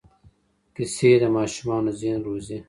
کيسې د ماشومانو ذهن روزي.